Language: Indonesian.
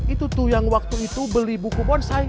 itu tuh yang waktu itu beli buku bonsai